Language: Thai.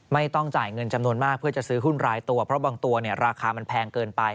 ไม่ต้องจ่ายเงินจำนวนมากเพื่อจะซื้อหุ้นรายตัวเพราะบางตัวราคามันแพงเกินไป